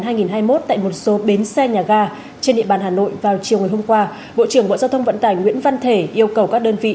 tại một số bến xe nhà ga trên địa bàn hà nội vào chiều hôm qua bộ trưởng bộ giao thông vận tải nguyễn văn thể yêu cầu các đơn vị